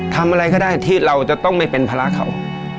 ทำอะไรก็ได้ที่เราจะต้องไม่เป็นภาระเขา